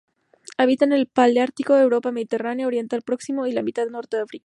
Habita en el paleártico: Europa mediterránea, Oriente Próximo y la mitad norte de África.